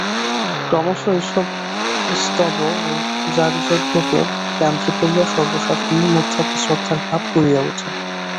ক্রমশ এইসব স্তব ও যাগযজ্ঞকে কেন্দ্র করিয়া সর্বসাধারণের মধ্যে একটা শ্রদ্ধার ভাব গড়িয়া উঠে।